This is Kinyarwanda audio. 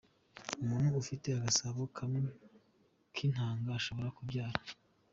Umuntu ufite agasabo kamwe k’intanga ashobora kubyara?.